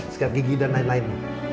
skat gigi dan lain lain